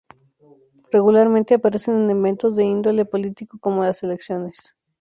Regularmente aparecen en eventos de índole político, como las elecciones.